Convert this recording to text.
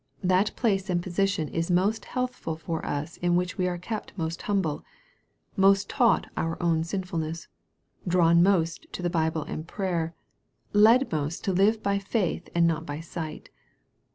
That place and position is most healthful for us in which we are kept most humble most taught our own sinfulness drawn most to the Bible and prayer led most to live by faith and not by sight.